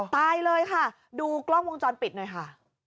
ตายเลยค่ะดูกล้องวงจรปิดหน่อยค่ะ